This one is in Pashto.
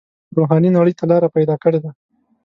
روحاني نړۍ ته لاره پیدا کړې ده.